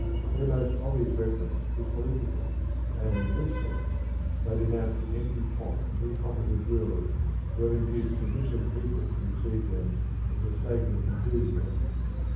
Their most obvious reference is political, and in this sense they denounce the empty pomp of incom petent rulers who have induced submissive peoples to receive them with mistaken enthusiasm.